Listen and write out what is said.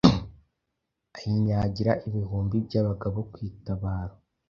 Ayinyagira ibihumbi.byabagabo kwitabaro